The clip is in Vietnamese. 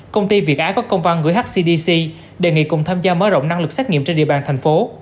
công ty việt á có công văn gửi hcdc đề nghị cùng tham gia mở rộng năng lực xét nghiệm trên địa bàn thành phố